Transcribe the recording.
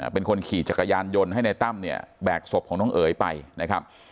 เป็นคนขี่จักรยานยนต์ให้ในตั้มเนี่ยแบกศพของน้องเอ๋ยไปนะครับ